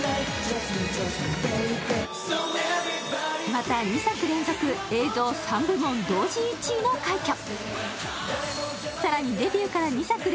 また、２作連続、映像３部門同時１位の快挙。